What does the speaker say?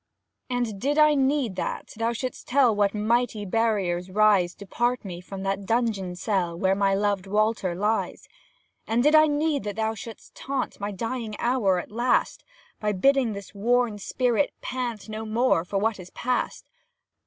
And, did I need that, thou shouldst tell What mighty barriers rise To part me from that dungeon cell, Where my loved Walter lies? And, did I need that thou shouldst taunt My dying hour at last, By bidding this worn spirit pant No more for what is past?